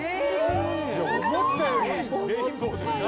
思ったよりレインボーですね。